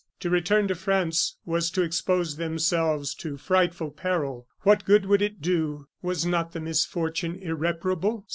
To return to France was to expose themselves to frightful peril. What good would it do? Was not the misfortune irreparable?